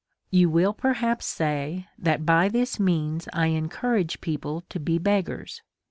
You will perhaps say that, by this means, I encou rage people to be beggars.